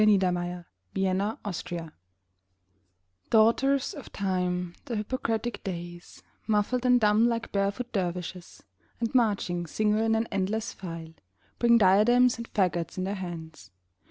Ralph Waldo Emerson Days DAUGHTERS of Time, the hypocritic Days, Muffled and dumb like barefoot dervishes, And marching single in an endless file, Bring diadems and faggots in their hands.